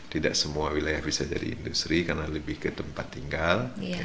tidak semua wilayah bisa jadi industri karena lebih ke tempat tinggal